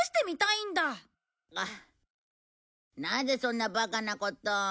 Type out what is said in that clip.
なぜそんなバカなことを。